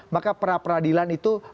maka pra peradilan itu